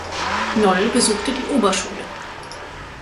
Noll besuchte die Oberschule.